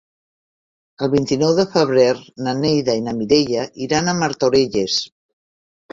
El vint-i-nou de febrer na Neida i na Mireia iran a Martorelles.